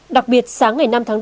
đặc biệt sáng ngày năm tháng bốn